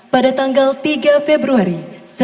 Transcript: pada tanggal tiga februari